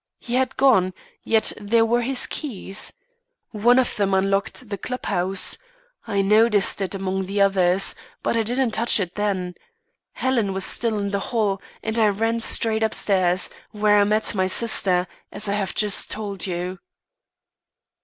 He had gone, yet there were his keys. One of them unlocked the club house. I noticed it among the others, but I didn't touch it then. Helen was still in the hall, and I ran straight upstairs, where I met my sister, as I have just told you."